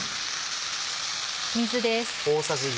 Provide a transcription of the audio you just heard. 水です。